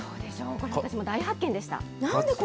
これ、私も大発見でした。